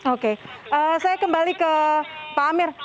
oke saya kembali ke pak amir